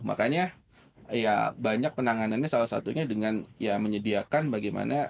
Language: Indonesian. makanya ya banyak penanganannya salah satunya dengan ya menyediakan bagaimana